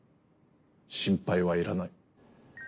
心配はいらない。